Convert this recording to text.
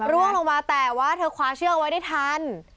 ร่วงลงมาแต่ว่าเธอคว้าเชือกเอาไว้ได้ทัน